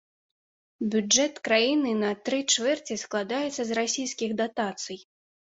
Бюджэт краіны на тры чвэрці складаецца з расійскіх датацый.